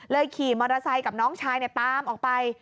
ขี่มอเตอร์ไซค์กับน้องชายตามออกไป